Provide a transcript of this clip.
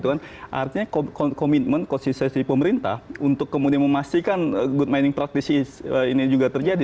artinya komitmen konsistensi pemerintah untuk kemudian memastikan good mining practice ini juga terjadi